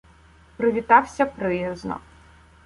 Привітався приязно: